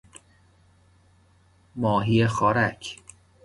ماهی خوارک